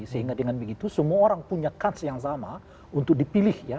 sehingga dengan begitu semua orang punya kans yang sama untuk dipilih ya